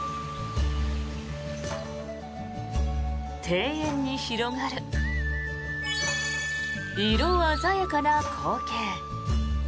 庭園に広がる色鮮やかな光景。